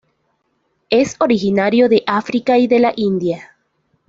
Es originario de África y de la India.